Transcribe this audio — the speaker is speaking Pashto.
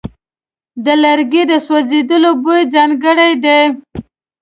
د لرګي د سوځېدو بوی ځانګړی دی.